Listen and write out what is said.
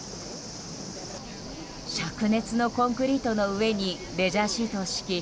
灼熱のコンクリートの上にレジャーシートを敷き